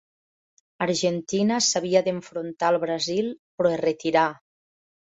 Argentina s'havia d'enfrontar al Brasil però es retirà.